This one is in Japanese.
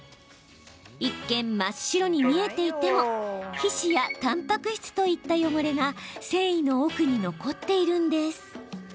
一見、真っ白に見えていても皮脂やたんぱく質といった汚れが繊維の奥に残っているんです。